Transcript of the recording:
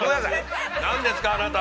何ですか、あなた。